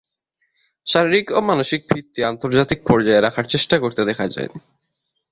শারীরিক ও মানসিক ভিত্তি আন্তর্জাতিক পর্যায়ে রাখার চেষ্টা করতে দেখা যায়নি।